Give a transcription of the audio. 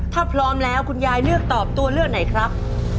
ถ้าพร้อมแล้วคุณยายเลือกตอบตัวเลือกไหนครับ